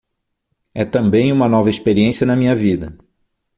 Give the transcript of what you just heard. É também uma nova experiência na minha vida.